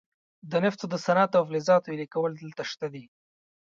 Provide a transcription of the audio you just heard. د نفتو د صنعت او فلزاتو ویلې کول دلته شته دي.